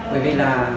bởi vì là